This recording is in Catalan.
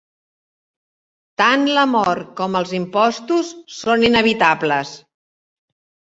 Tant la mort com els impostos són inevitables.